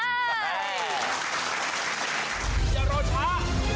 อย่ารอช้า